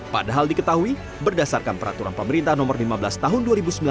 padahal diketahui berdasarkan peraturan pemerintah nomor lima belas tahun dua ribu sembilan belas